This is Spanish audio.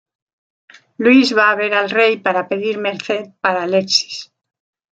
Louise va a ver al rey para pedir merced para Alexis.